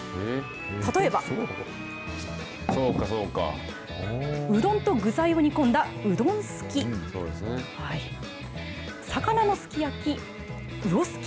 例えば、うどんと具材を煮込んだうどんすき、魚のすき焼き、魚すき。